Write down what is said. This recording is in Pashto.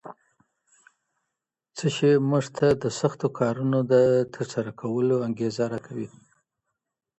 څه شي موږ ته د سختو کارونو د ترسره کولو انګېزه راکوي؟